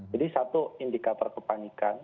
jadi satu indikator kepanikan